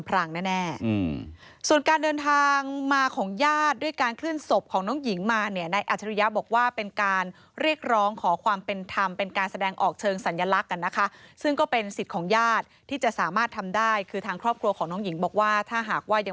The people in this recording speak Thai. ปรากฏว่าไม่เคยมีใครสนใจคดีนี้นะครับ